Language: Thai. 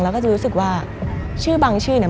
ก็จะรู้สึกว่าชื่อบางชื่อเนี่ย